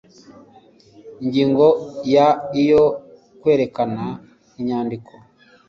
ingingo ya iyo kwerekana inyandiko